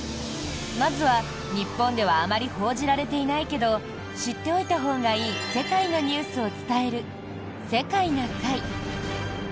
まずは、日本ではあまり報じられていないけど知っておいたほうがいい世界のニュースを伝える「世界な会」。